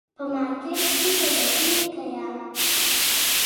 په مارکېټ کي پیدا کېږي که یه ؟